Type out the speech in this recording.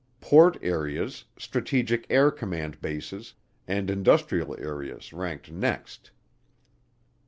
Port areas, Strategic Air Command bases, and industrial areas ranked next.